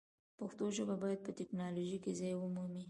پښتو ژبه باید په ټکنالوژۍ کې ځای ومومي.